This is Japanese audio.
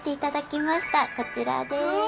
こちらです。